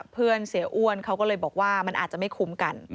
เพื่อนเสียอ้วนเขาก็เลยบอกว่ามันอาจจะไม่คุ้มกัน